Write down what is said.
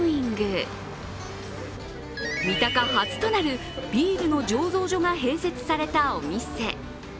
三鷹初となるビールの醸造所が併設されたお店。